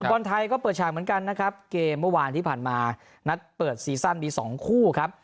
บอลไทยก็เปิดฉากเหมือนกันนะครับเกมเมื่อวานที่ผ่านมานัดเปิดซีซั่นมีสองคู่ครับ